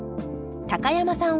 高山さん